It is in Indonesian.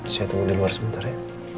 saya tunggu di luar sebentar ya